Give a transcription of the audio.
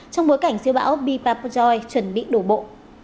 trong bối cảnh siêu bão bipapoi chuẩn bị đổ bộ